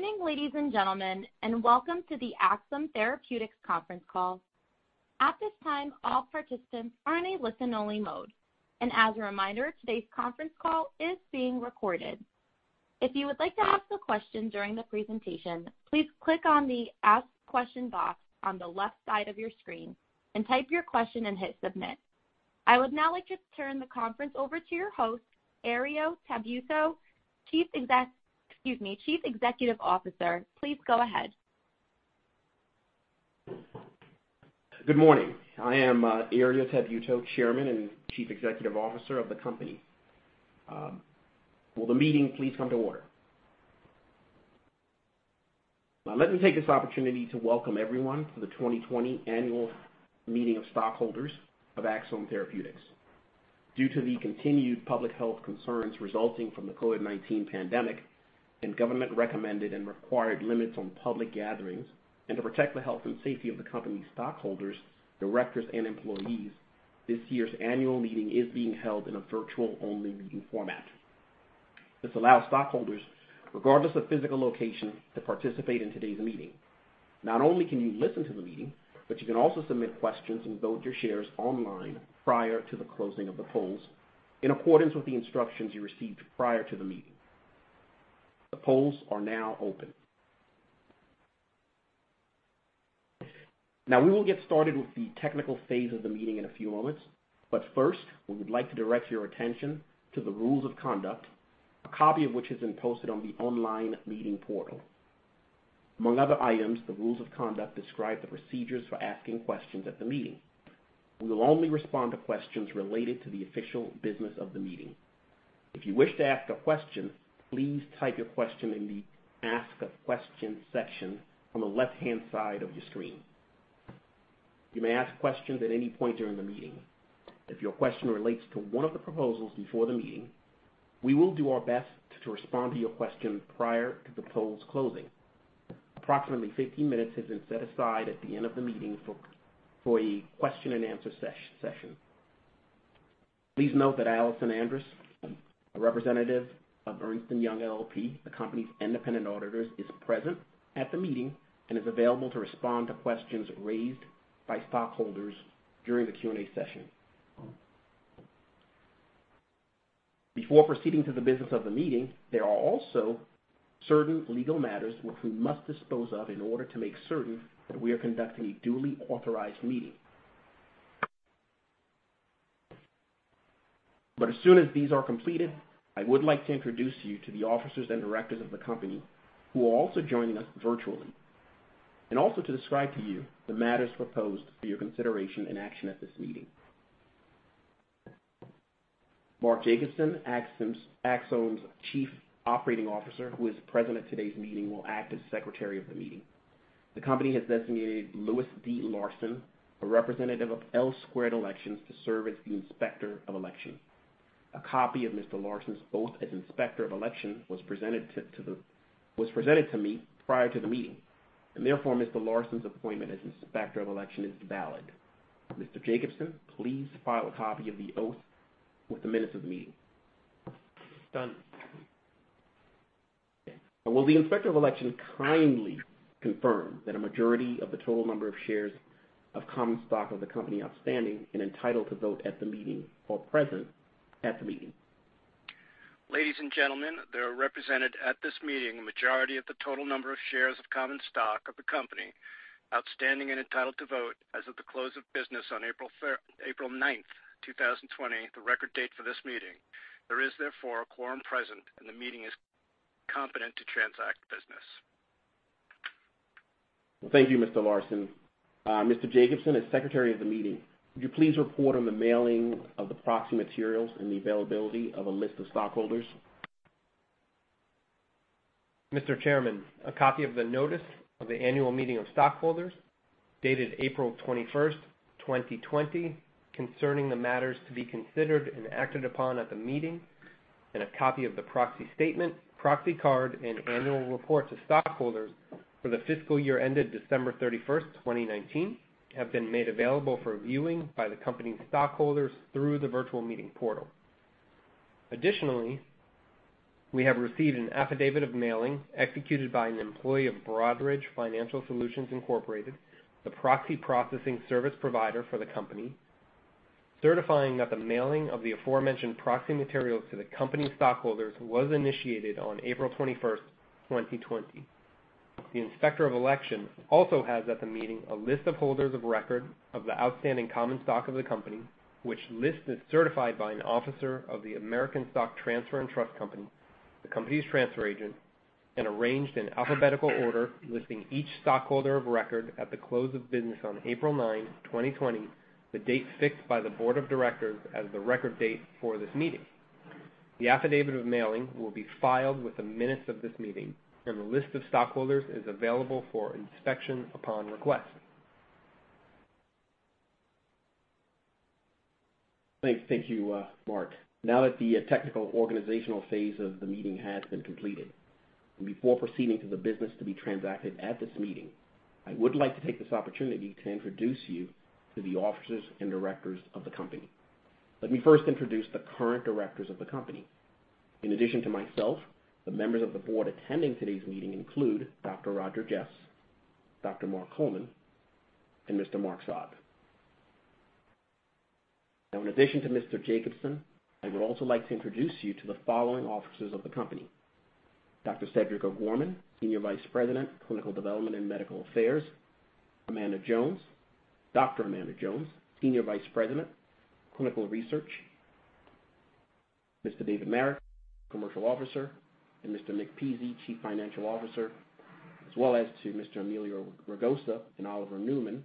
Good morning ladies and gentlemen and welcome to the Axsome Therapeutics conference call. At this time, all participants are in a listen-only mode. As a reminder, today's conference call is being recorded. If you would like to ask a question during the presentation, please click on the Ask Question box on the left side of your screen and type your question and hit Submit. I would now like to turn the conference over to your host, Herriot Tabuteau, Chief Executive Officer. Please go ahead. Good morning. I am Herriot Tabuteau, Chairman and Chief Executive Officer of the company. Will the meeting please come to order? Now, let me take this opportunity to welcome everyone to the 2020 annual meeting of stockholders of Axsome Therapeutics. Due to the continued public health concerns resulting from the COVID-19 pandemic and government-recommended and required limits on public gatherings, and to protect the health and safety of the company's stockholders, directors, and employees, this year's annual meeting is being held in a virtual-only meeting format. This allows stockholders, regardless of physical location, to participate in today's meeting. Not only can you listen to the meeting, but you can also submit questions and vote your shares online prior to the closing of the polls, in accordance with the instructions you received prior to the meeting. The polls are now open. Now, we will get started with the technical phase of the meeting in a few moments, but first, we would like to direct your attention to the rules of conduct, a copy of which has been posted on the online meeting portal. Among other items, the rules of conduct describe the procedures for asking questions at the meeting. We will only respond to questions related to the official business of the meeting. If you wish to ask a question, please type your question in the Ask a Question section on the left-hand side of your screen. You may ask questions at any point during the meeting. If your question relates to one of the proposals before the meeting, we will do our best to respond to your question prior to the polls closing. Approximately 15 minutes has been set aside at the end of the meeting for a question and answer session. Please note that Alyson Andrus, a representative of Ernst & Young LLP, the company's independent auditor, is present at the meeting and is available to respond to questions raised by stockholders during the Q&A session. Before proceeding to the business of the meeting, there are also certain legal matters which we must dispose of in order to make certain that we are conducting a duly authorized meeting. As soon as these are completed, I would like to introduce you to the officers and directors of the company who are also joining us virtually, and also to describe to you the matters proposed for your consideration and action at this meeting. Mark Jacobson, Axsome's Chief Operating Officer, who is present at today's meeting, will act as Secretary of the meeting. The company has designated Louis D. Larsen, a representative of L Squared Elections, to serve as the Inspector of Election. A copy of Mr. Larsen's oath as Inspector of Election was presented to me prior to the meeting, and therefore Mr. Larsen's appointment as Inspector of Election is valid. Mr. Jacobson, please file a copy of the oath with the minutes of the meeting. Done. Okay. Will the Inspector of Election kindly confirm that a majority of the total number of shares of common stock of the company outstanding and entitled to vote at the meeting are present at the meeting? Ladies and gentlemen, there are represented at this meeting a majority of the total number of shares of common stock of the company outstanding and entitled to vote as of the close of business on April 9th, 2020, the record date for this meeting. There is therefore a quorum present, and the meeting is competent to transact business. Thank you Mr. Larsen. Mr. Jacobson, as Secretary of the meeting, could you please report on the mailing of the proxy materials and the availability of a list of stockholders? Mr. Chairman, a copy of the notice of the annual meeting of stockholders, dated April 21st, 2020, concerning the matters to be considered and acted upon at the meeting, and a copy of the proxy statement, proxy card, and annual report to stockholders for the fiscal year ended December 31st, 2019, have been made available for viewing by the company's stockholders through the virtual meeting portal. Additionally, we have received an affidavit of mailing executed by an employee of Broadridge Financial Solutions, Inc., the proxy processing service provider for the company, certifying that the mailing of the aforementioned proxy materials to the company stockholders was initiated on April 21st, 2020. The Inspector of Election also has at the meeting a list of holders of record of the outstanding common stock of the company, which list is certified by an officer of the American Stock Transfer & Trust Company, the company's transfer agent, and arranged in alphabetical order, listing each stockholder of record at the close of business on April 9th, 2020, the date fixed by the Board of Directors as the record date for this meeting. The affidavit of mailing will be filed with the minutes of this meeting, and the list of stockholders is available for inspection upon request. Thank you Mark. That the technical organizational phase of the meeting has been completed, and before proceeding to the business to be transacted at this meeting, I would like to take this opportunity to introduce you to the officers and directors of the company. Let me first introduce the current directors of the company. In addition to myself, the members of the board attending today's meeting include Dr. Roger Jeffs, Dr. Mark Coleman, and Mr. Mark Saad. In addition to Mr. Jacobson, I would also like to introduce you to the following officers of the company: Dr. Cedric O'Gorman, Senior Vice President, Clinical Development and Medical Affairs, Dr. Amanda Jones, Senior Vice President, Clinical Research, Mr. David Marek, Commercial Officer, and Mr. Nick Pizzie, Chief Financial Officer, as well as to Mr. Emilio Ragosa and Oliver Newman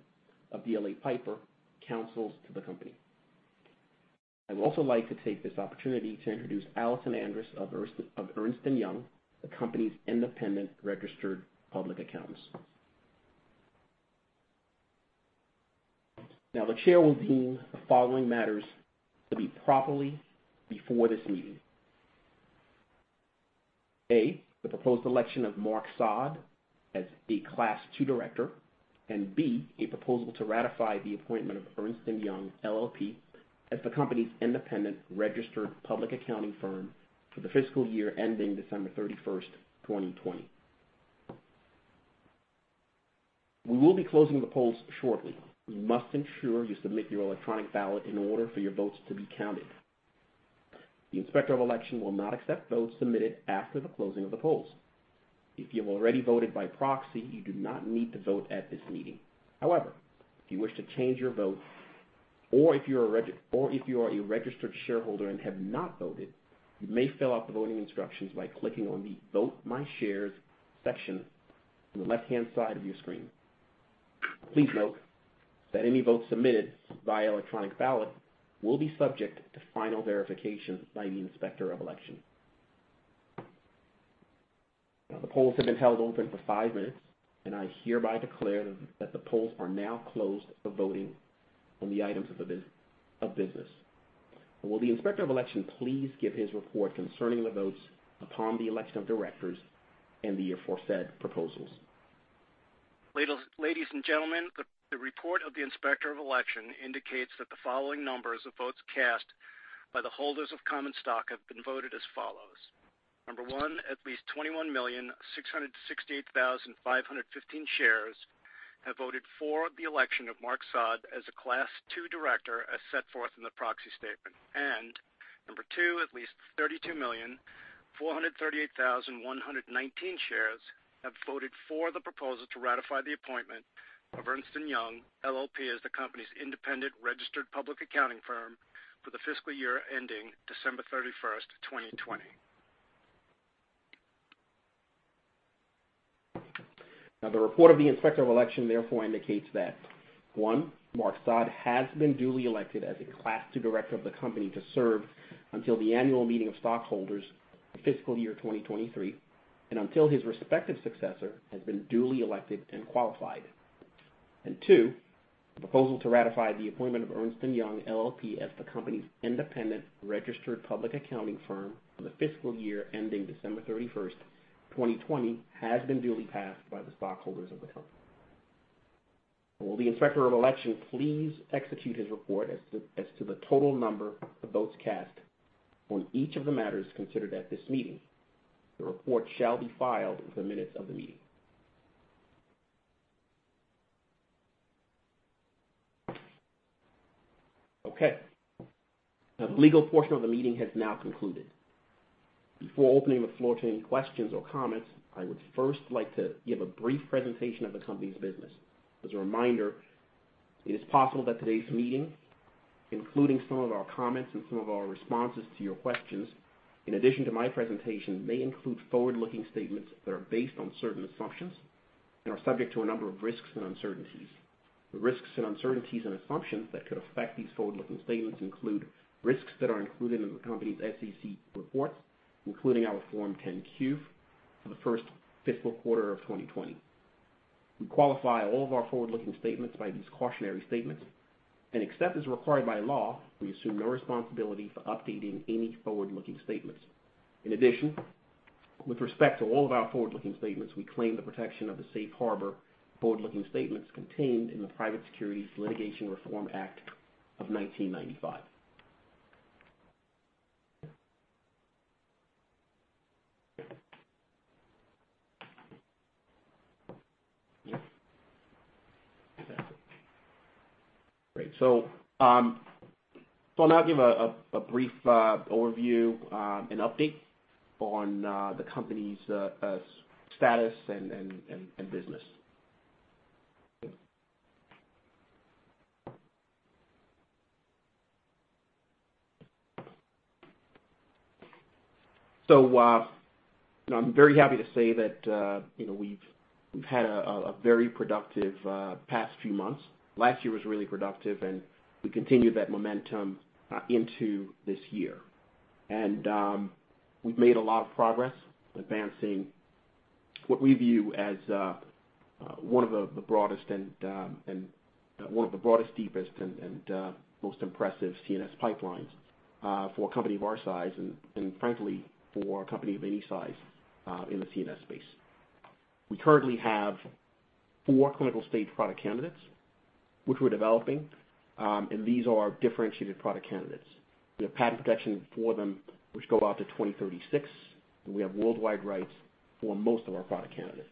of DLA Piper, counsels to the company. I would also like to take this opportunity to introduce Alyson Andrus of Ernst & Young, the company's independent registered public accountants. The chair will deem the following matters to be properly before this meeting. A, the proposed election of Mark Saad as a Class II director, and B, a proposal to ratify the appointment of Ernst & Young LLP as the company's independent registered public accounting firm for the fiscal year ending December 31st, 2020. We will be closing the polls shortly. You must ensure you submit your electronic ballot in order for your votes to be counted. The Inspector of Election will not accept votes submitted after the closing of the polls. If you have already voted by proxy, you do not need to vote at this meeting. If you wish to change your vote, or if you are a registered shareholder and have not voted, you may fill out the voting instructions by clicking on the Vote My Shares section on the left-hand side of your screen. Please note that any votes submitted via electronic ballot will be subject to final verification by the Inspector of Election. The polls have been held open for five minutes, and I hereby declare that the polls are now closed for voting on the items of business. Will the Inspector of Election please give his report concerning the votes upon the election of directors and the aforesaid proposals? Ladies and gentlemen the report of the Inspector of Election indicates that the following numbers of votes cast by the holders of common stock have been voted as follows. Number one, at least 21,668,515 shares have voted for the election of Mark Saad as a Class II director as set forth in the proxy statement. Number two, at least 32,438,119 shares have voted for the proposal to ratify the appointment of Ernst & Young LLP as the company's independent registered public accounting firm for the fiscal year ending December 31st, 2020. Now, the report of the Inspector of Election therefore indicates that, one, Mark Saad has been duly elected as a Class II Director of the company to serve until the annual meeting of stockholders for fiscal year 2023, and until his respective successor has been duly elected and qualified. Two, the proposal to ratify the appointment of Ernst & Young LLP as the company's independent registered public accounting firm for the fiscal year ending December 31st, 2020, has been duly passed by the stockholders of the company. Will the Inspector of Election please execute his report as to the total number of votes cast on each of the matters considered at this meeting? The report shall be filed with the minutes of the meeting. Okay. The legal portion of the meeting has now concluded. Before opening the floor to any questions or comments, I would first like to give a brief presentation of the company's business. As a reminder, it is possible that today's meeting, including some of our comments and some of our responses to your questions, in addition to my presentation, may include forward-looking statements that are based on certain assumptions and are subject to a number of risks and uncertainties. The risks and uncertainties and assumptions that could affect these forward-looking statements include risks that are included in the company's SEC reports, including our Form 10-Q for the first fiscal quarter of 2020. We qualify all of our forward-looking statements by these cautionary statements, and except as required by law, we assume no responsibility for updating any forward-looking statements. In addition, with respect to all of our forward-looking statements, we claim the protection of the safe harbor forward-looking statements contained in the Private Securities Litigation Reform Act of 1995. Great. I'll now give a brief overview, an update on the company's status and business. I'm very happy to say that we've had a very productive past few months. Last year was really productive, and we continued that momentum into this year. We've made a lot of progress advancing what we view as one of the broadest, deepest, and most impressive CNS pipelines for a company of our size, and frankly, for a company of any size in the CNS space. We currently have four clinical-stage product candidates, which we're developing, and these are differentiated product candidates. We have patent protection for them, which go out to 2036, and we have worldwide rights for most of our product candidates.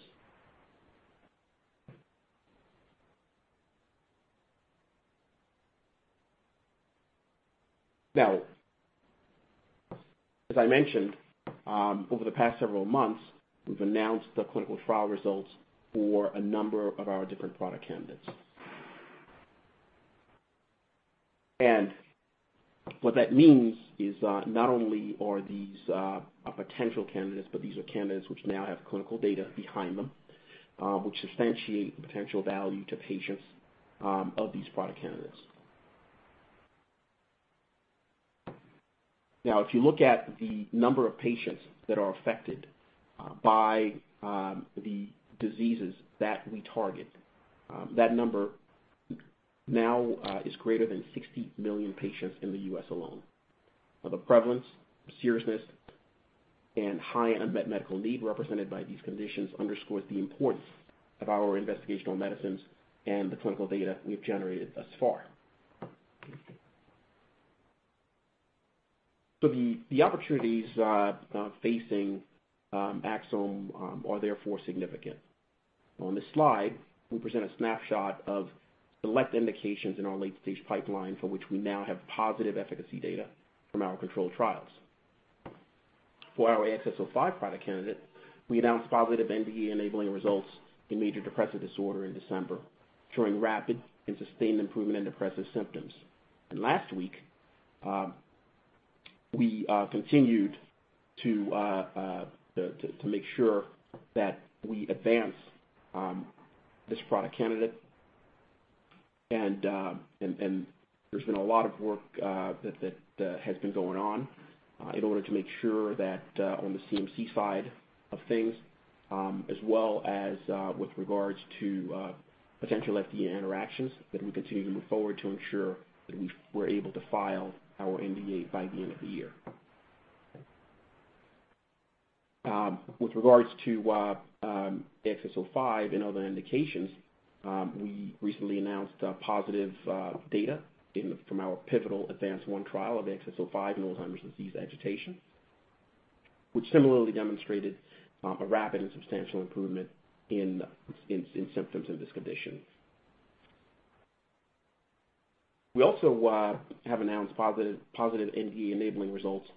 As I mentioned, over the past several months, we've announced the clinical trial results for a number of our different product candidates. What that means is, not only are these potential candidates, but these are candidates which now have clinical data behind them, which substantiate the potential value to patients of these product candidates. If you look at the number of patients that are affected by the diseases that we target, that number now is greater than 60 million patients in the U.S. alone. The prevalence, seriousness, and high unmet medical need represented by these conditions underscores the importance of our investigational medicines and the clinical data we have generated thus far. The opportunities facing Axsome are therefore significant. On this slide, we present a snapshot of select indications in our late-stage pipeline for which we now have positive efficacy data from our controlled trials. For our AXS-05 product candidate, we announced positive NDA-enabling results in major depressive disorder in December, showing rapid and sustained improvement in depressive symptoms. Last week, we continued to make sure that we advance this product candidate. There's been a lot of work that has been going on in order to make sure that on the CMC side of things as well as with regards to potential FDA interactions, that we continue to move forward to ensure that we're able to file our NDA by the end of the year. With regards to AXS-05 and other indications, we recently announced positive data from our pivotal ADVANCE-1 trial of AXS-05 in Alzheimer's disease agitation, which similarly demonstrated a rapid and substantial improvement in symptoms of this condition. We also have announced positive NDA-enabling results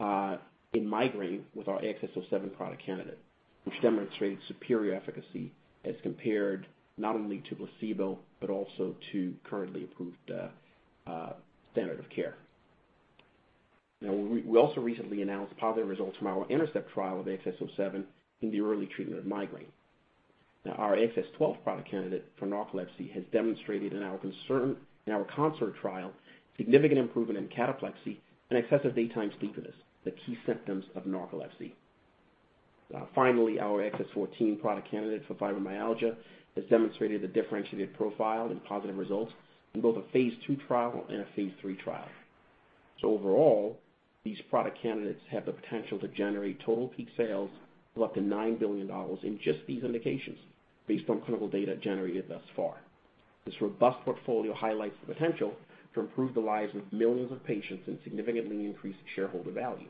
in migraine with our AXS-07 product candidate, which demonstrated superior efficacy as compared not only to placebo but also to currently approved standard of care. We also recently announced positive results from our INTERCEPT trial of AXS-07 in the early treatment of migraine. Our AXS-12 product candidate for narcolepsy has demonstrated in our CONCERT trial significant improvement in cataplexy and excessive daytime sleepiness, the key symptoms of narcolepsy. Finally, our AXS-14 product candidate for fibromyalgia has demonstrated a differentiated profile and positive results in both a phase II trial and a phase III trial. Overall, these product candidates have the potential to generate total peak sales of up to $9 billion in just these indications, based on clinical data generated thus far. This robust portfolio highlights the potential to improve the lives of millions of patients and significantly increase shareholder value.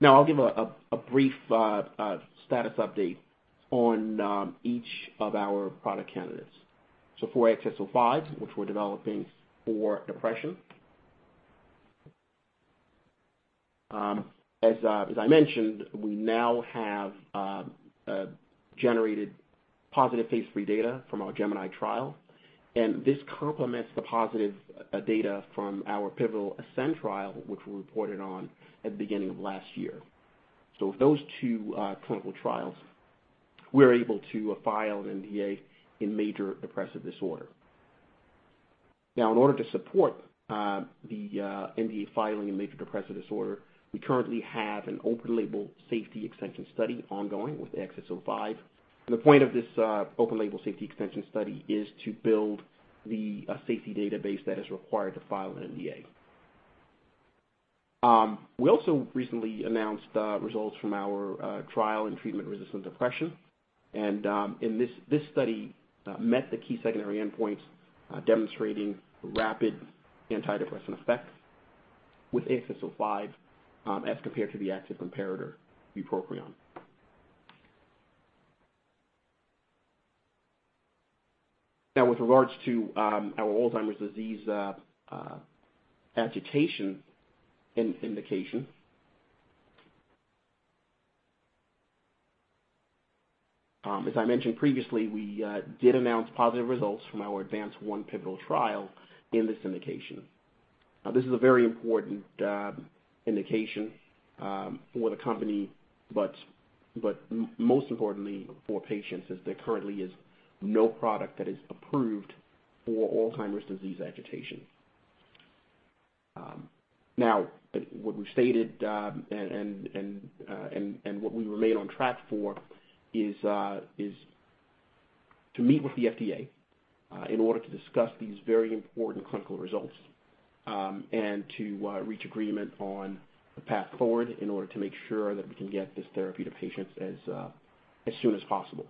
Now I'll give a brief status update on each of our product candidates. For AXS-05, which we're developing for depression. As I mentioned, we now have generated positive phase III data from our GEMINI trial, and this complements the positive data from our pivotal ASCEND trial, which we reported on at the beginning of last year. With those two clinical trials, we're able to file an NDA in major depressive disorder. Now, in order to support the NDA filing in major depressive disorder, we currently have an open label safety extension study ongoing with AXS-05. The point of this open label safety extension study is to build the safety database that is required to file an NDA. We also recently announced results from our trial in treatment-resistant depression, and this study met the key secondary endpoints, demonstrating rapid antidepressant effects with AXS-05 as compared to the active comparator, bupropion. With regards to our Alzheimer's disease agitation indication. As I mentioned previously, we did announce positive results from our ADVANCE-1 pivotal trial in this indication. This is a very important indication for the company, but most importantly for patients, as there currently is no product that is approved for Alzheimer's disease agitation. What we've stated and what we remain on track for is to meet with the FDA in order to discuss these very important clinical results, and to reach agreement on the path forward in order to make sure that we can get this therapy to patients as soon as possible.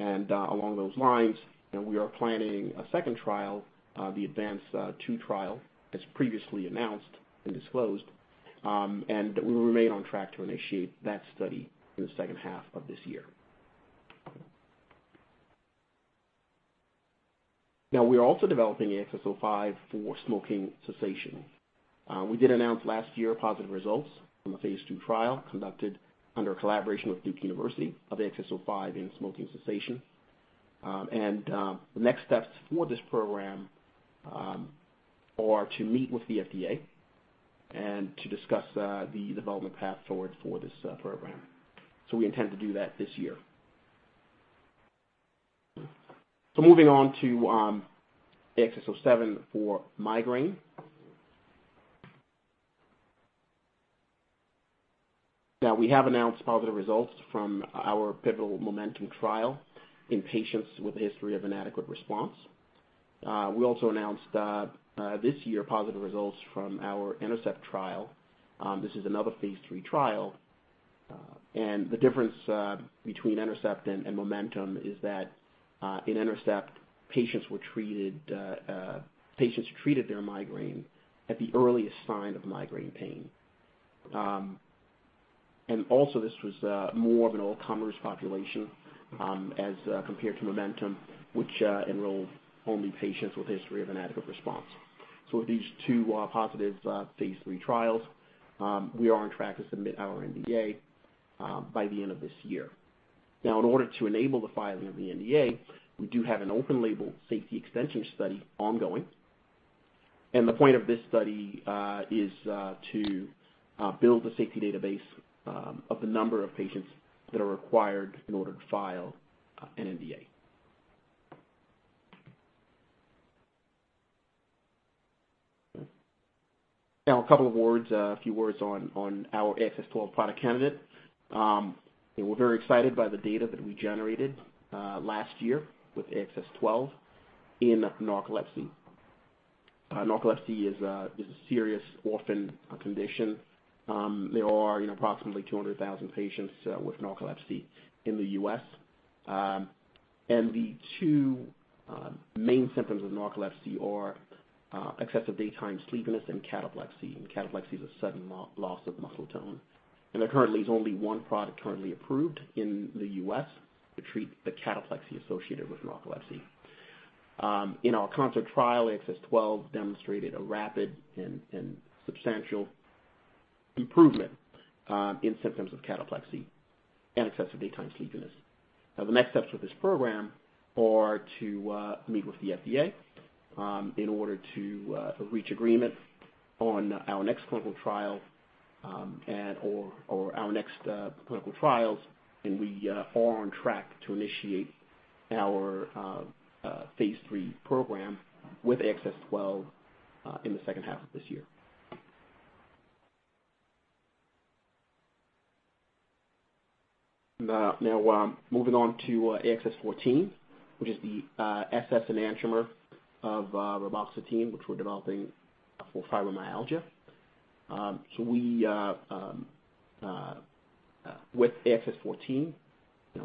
Along those lines, we are planning a second trial, the ADVANCE-2 trial, as previously announced and disclosed, and we remain on track to initiate that study in the second half of this year. We are also developing AXS-05 for smoking cessation. We did announce last year positive results from a phase II trial conducted under a collaboration with Duke University of AXS-05 in smoking cessation. The next steps for this program are to meet with the FDA and to discuss the development path forward for this program. We intend to do that this year. Moving on to AXS-07 for migraine. We have announced positive results from our pivotal MOMENTUM trial in patients with a history of inadequate response. We also announced, this year, positive results from our INTERCEPT trial. This is another phase III trial. The difference between INTERCEPT and MOMENTUM is that in INTERCEPT, patients treated their migraine at the earliest sign of migraine pain. Also this was more of an all-comers population, as compared to MOMENTUM, which enrolled only patients with history of inadequate response. These two positive phase III trials, we are on track to submit our NDA by the end of this year. In order to enable the filing of the NDA, we do have an open label safety extension study ongoing. The point of this study is to build the safety database of the number of patients that are required in order to file an NDA. Now a couple of words, a few words on our AXS-12 product candidate. We're very excited by the data that we generated last year with AXS-12 in narcolepsy. Narcolepsy is a serious orphan condition. There are approximately 200,000 patients with narcolepsy in the U.S. The two main symptoms of narcolepsy are excessive daytime sleepiness and cataplexy. Cataplexy is a sudden loss of muscle tone. There currently is only one product currently approved in the U.S. to treat the cataplexy associated with narcolepsy. In our CONCERT trial, AXS-12 demonstrated a rapid and substantial improvement in symptoms of cataplexy and excessive daytime sleepiness. The next steps for this program are to meet with the FDA in order to reach agreement on our next clinical trial, or our next clinical trials. We are on track to initiate our phase III program with AXS-12 in the second half of this year. Moving on to AXS-14, which is the SS enantiomer of reboxetine, which we're developing for fibromyalgia. With AXS-14,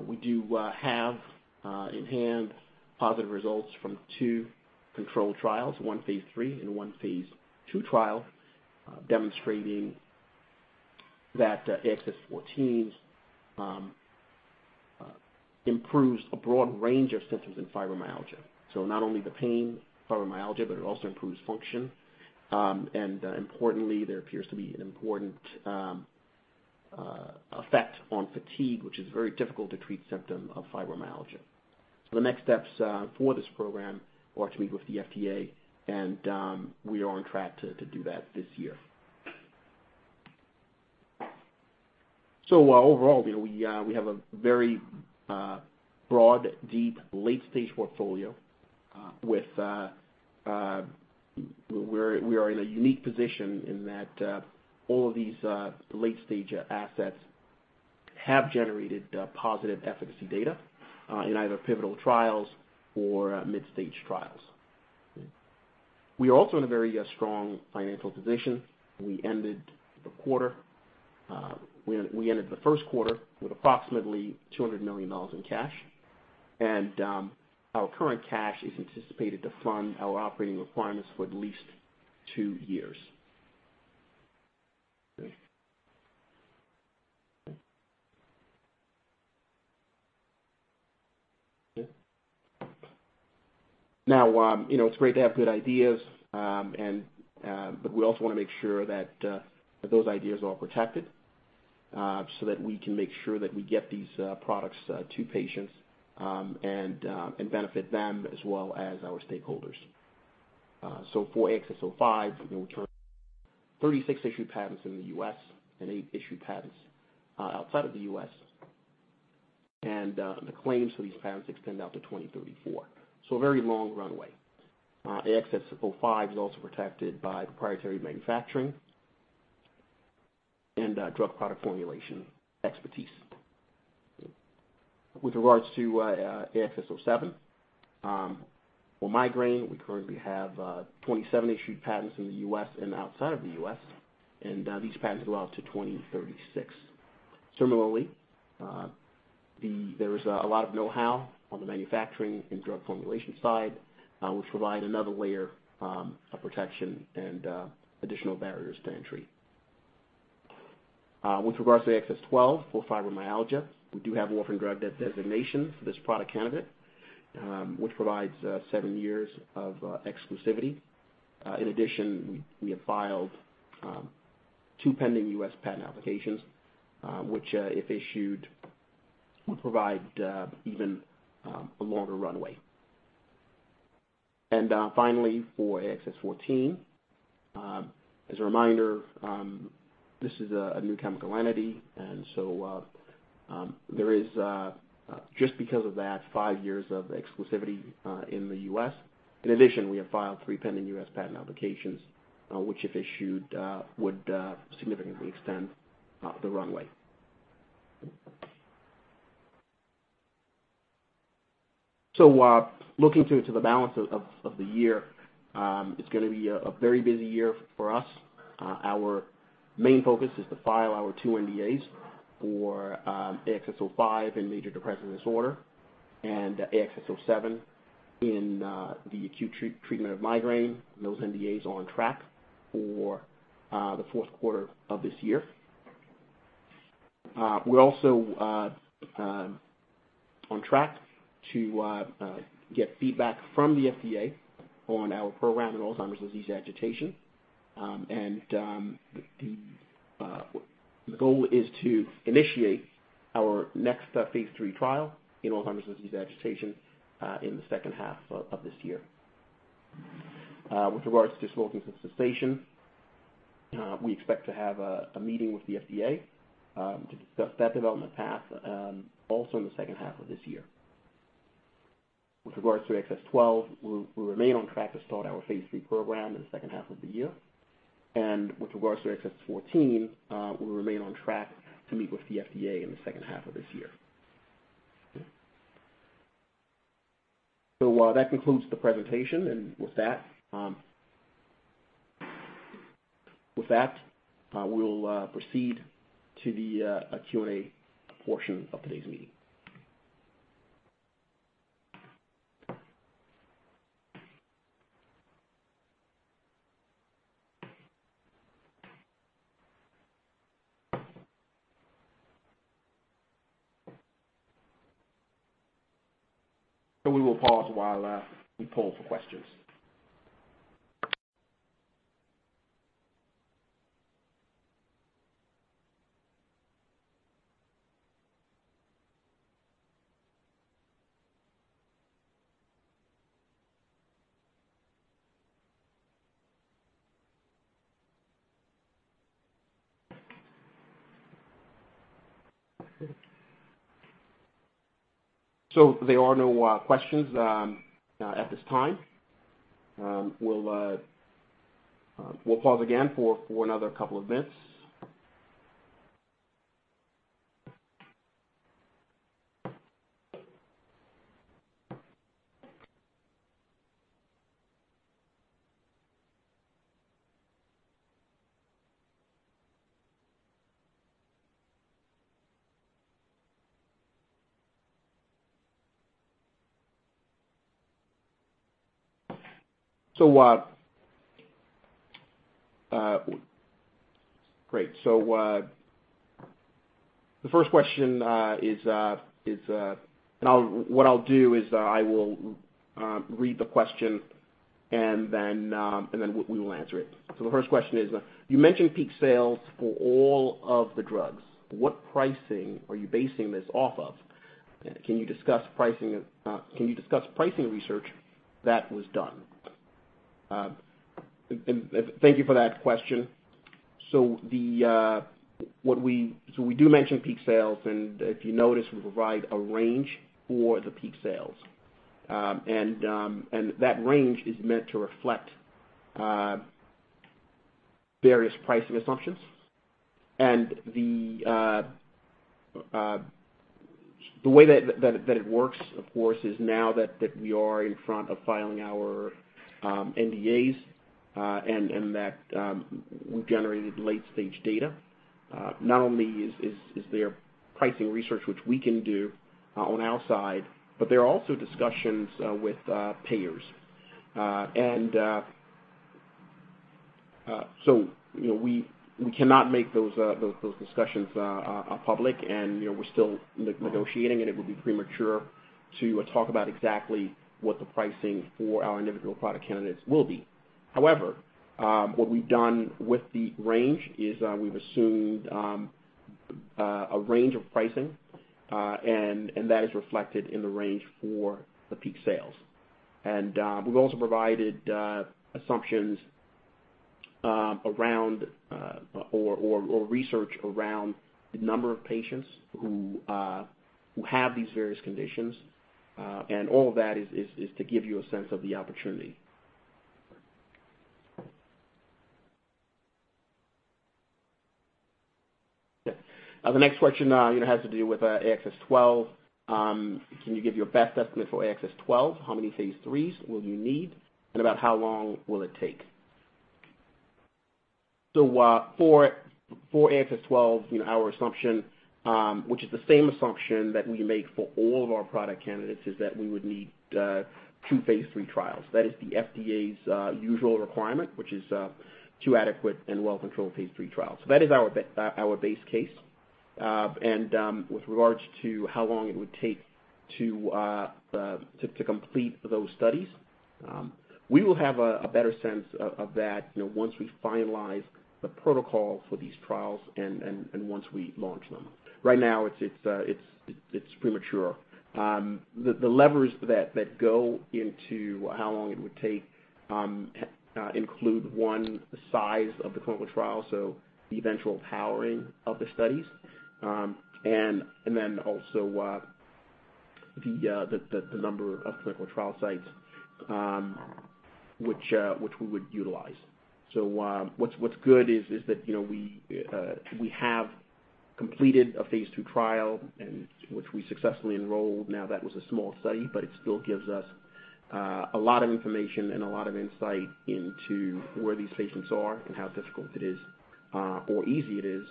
we do have in hand positive results from two controlled trials, one phase III and one phase II trial, demonstrating that AXS-14 improves a broad range of symptoms in fibromyalgia. Not only the pain fibromyalgia, but it also improves function. Importantly, there appears to be an important effect on fatigue, which is very difficult to treat symptom of fibromyalgia. The next steps for this program are to meet with the FDA, and we are on track to do that this year. Overall, we have a very broad, deep, late-stage portfolio. We are in a unique position in that all of these late-stage assets have generated positive efficacy data in either pivotal trials or mid-stage trials. We are also in a very strong financial position. We ended the first quarter with approximately $200 million in cash, and our current cash is anticipated to fund our operating requirements for at least two years. Now, it's great to have good ideas, but we also want to make sure that those ideas are well protected, so that we can make sure that we get these products to patients, and benefit them as well as our stakeholders. For AXS-05, we currently have 36 issued patents in the U.S. and eight issued patents outside of the U.S. The claims for these patents extend out to 2034. A very long runway. AXS-05 is also protected by proprietary manufacturing and drug product formulation expertise. With regards to AXS-07 for migraine, we currently have 27 issued patents in the U.S. and outside of the U.S., and these patents go out to 2036. Similarly, there is a lot of know-how on the manufacturing and drug formulation side, which provide another layer of protection and additional barriers to entry. With regards to AXS-12 for fibromyalgia, we do have orphan drug designation for this product candidate, which provides seven years of exclusivity. In addition, we have filed two pending U.S. patent applications which, if issued, would provide even a longer runway. Finally, for AXS-14, as a reminder, this is a new chemical entity, and so there is, just because of that, five years of exclusivity in the U.S. In addition, we have filed three pending U.S. patent applications, which if issued, would significantly extend the runway. Looking to the balance of the year, it's going to be a very busy year for us. Our main focus is to file our two NDAs for AXS-05 in major depressive disorder and AXS-07 in the acute treatment of migraine. Those NDAs are on track for the fourth quarter of this year. We're also on track to get feedback from the FDA on our program in Alzheimer's disease agitation, and the goal is to initiate our next phase III trial in Alzheimer's disease agitation in the second half of this year. With regards to smoking cessation, we expect to have a meeting with the FDA to discuss that development path, also in the second half of this year. With regards to AXS-12, we remain on track to start our phase III program in the second half of the year. With regards to AXS-14, we remain on track to meet with the FDA in the second half of this year. That concludes the presentation, and with that, we will proceed to the Q&A portion of today's meeting. We will pause while we poll for questions. There are no questions at this time. We'll pause again for another couple of minutes. Great. The first question is. What I'll do is I will read the question and then we will answer it. The first question is, "You mentioned peak sales for all of the drugs. What pricing are you basing this off of? Can you discuss pricing research that was done? Thank you for that question. We do mention peak sales, and if you notice, we provide a range for the peak sales. That range is meant to reflect various pricing assumptions. The way that it works, of course, is now that we are in front of filing our NDAs and that we've generated late-stage data, not only is there pricing research which we can do on our side, but there are also discussions with payers. We cannot make those discussions public, and we're still negotiating, and it would be premature to talk about exactly what the pricing for our individual product candidates will be. However, what we've done with the range is we've assumed a range of pricing, and that is reflected in the range for the peak sales. We've also provided assumptions or research around the number of patients who have these various conditions. All of that is to give you a sense of the opportunity. Okay. The next question has to do with AXS-12. Can you give your best estimate for AXS-12? How many phase III will you need, and about how long will it take? For AXS-12, our assumption, which is the same assumption that we make for all of our product candidates, is that we would need two phase III trials. That is the FDA's usual requirement, which is two adequate and well-controlled phase III trials. That is our base case. With regards to how long it would take to complete those studies, we will have a better sense of that, once we finalize the protocol for these trials and once we launch them. Right now, it's premature. The levers that go into how long it would take include, one, the size of the clinical trial, so the eventual powering of the studies. The number of clinical trial sites which we would utilize. What's good is that we have completed a phase II trial, which we successfully enrolled. Now that was a small study, but it still gives us a lot of information and a lot of insight into where these patients are and how difficult it is, or easy it is,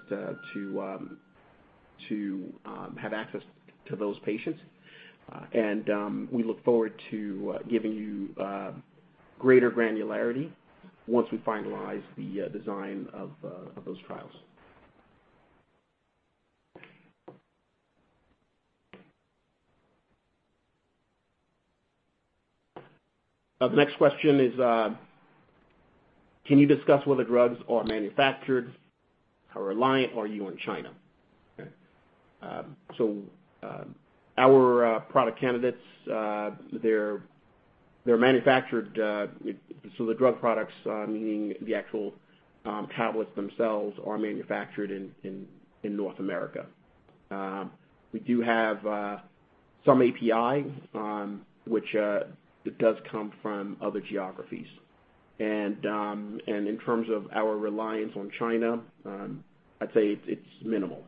to have access to those patients. We look forward to giving you greater granularity once we finalize the design of those trials. The next question is, can you discuss whether drugs are manufactured? How reliant are you on China? Okay. Our product candidates, they're manufactured, so the drug products, meaning the actual tablets themselves, are manufactured in North America. We do have some API, which does come from other geographies. In terms of our reliance on China, I'd say it's minimal.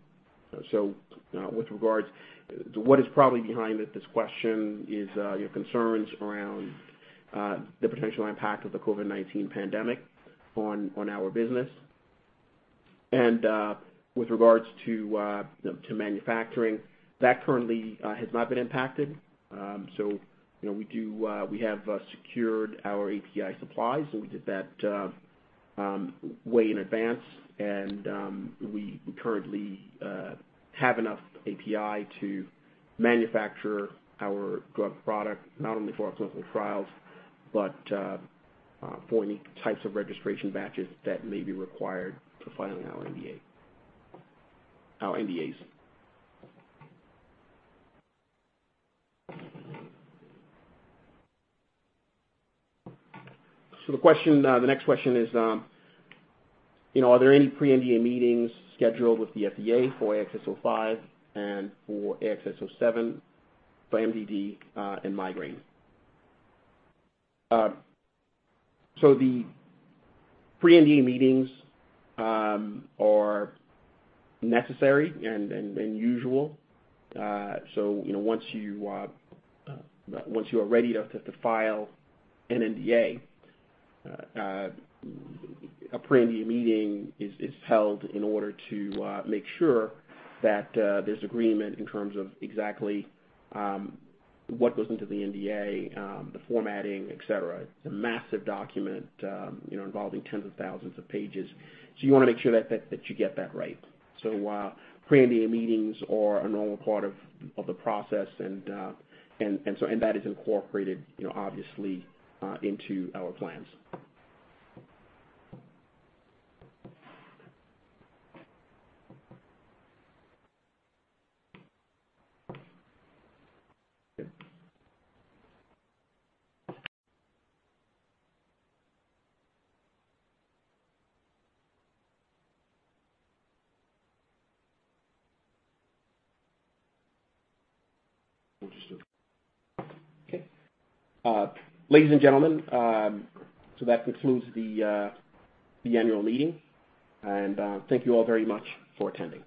What is probably behind this question is concerns around the potential impact of the COVID-19 pandemic on our business. With regards to manufacturing, that currently has not been impacted. We have secured our API supplies, and we did that way in advance. We currently have enough API to manufacture our drug product, not only for our clinical trials, but for any types of registration batches that may be required for filing our NDAs. The next question is, are there any pre-NDA meetings scheduled with the FDA for AXS-05 and for AXS-07 for MDD and migraine? The pre-NDA meetings are necessary and usual. Once you are ready to file an NDA, a pre-NDA meeting is held in order to make sure that there's agreement in terms of exactly what goes into the NDA, the formatting, et cetera. It's a massive document involving tens of thousands of pages. You want to make sure that you get that right. Pre-NDA meetings are a normal part of the process, and that is incorporated obviously into our plans. Ladies and gentlemen, that concludes the annual meeting, and thank you all very much for attending.